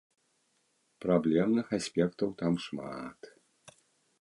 Праблемных аспектаў там шмат.